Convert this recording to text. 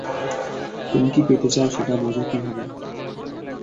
তুমি কী পেতে চাও সেটা বোঝো কীভাবে?